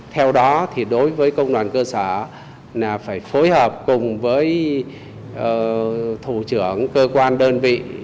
theo đó thì đối với công đoàn cơ sở là phải phối hợp cùng với thủ trưởng cơ quan đơn vị